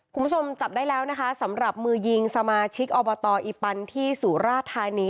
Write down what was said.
คุณผู้ชมจับได้แล้วนะคะสำหรับมือยิงสมาชิกอบตอีปันที่สุราธานี